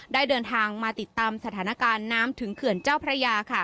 ได้เดินทางมาติดตามสถานการณ์น้ำถึงเขื่อนเจ้าพระยา